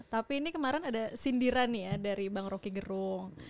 tapi ini kemarin ada sindiran nih ya dari bang roky gerung